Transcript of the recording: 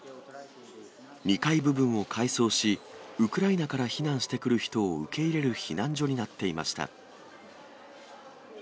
２階部分を改装し、ウクライナから避難してくる人を受け入れる避難所になっていました。